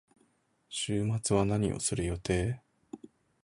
週末は何をする予定？